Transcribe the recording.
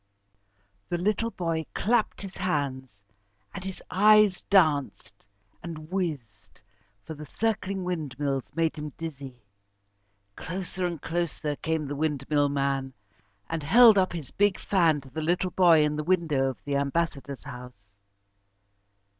The little boy clapped his hands, and his eyes danced and whizzed, for the circling windmills made him dizzy. Closer and closer came the windmill man, and held up his big fan to the little boy in the window of the Ambassador's house.